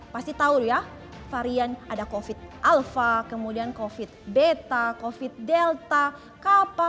pasti tahu ya varian ada covid alpha kemudian covid beta covid delta kapa